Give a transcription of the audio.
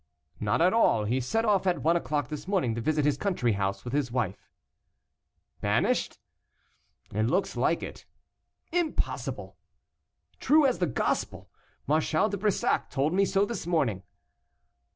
"Not at all; he set off at one o'clock this morning to visit his country house with his wife." "Banished?" "It looks like it." "Impossible!" "True as the gospel; Marshal de Brissac told me so this morning."